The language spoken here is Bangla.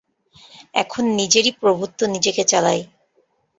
এখন নিজেরই প্রভুত্ব নিজেকে চালায়।